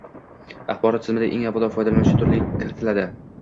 - Axborot tizimida eng avvalo foydalanuvchi turi kirtiladi